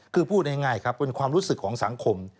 คือพูดง่ายครับเป็นความรู้สึกของสังคม